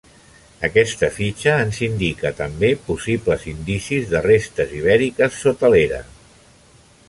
Aquesta fitxa ens indica, també, possibles indicis de restes ibèriques sota l'era.